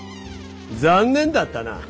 残念だったな。